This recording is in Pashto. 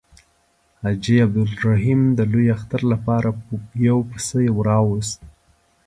حاجي عبدالرحیم د لوی اختر لپاره یو پسه راووست.